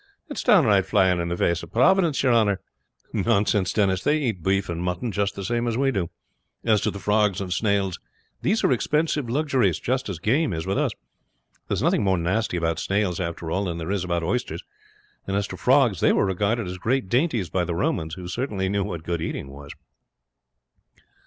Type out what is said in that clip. It's downright flying in the face of Providence, your honor." "Nonsense, Denis; they eat beef and mutton just the same as we do. As to the frogs and snails, these are expensive luxuries, just as game is with us. There is nothing more nasty about snails after all than there is about oysters; and as to frogs they were regarded as great dainties by the Romans, who certainly knew what good eating was."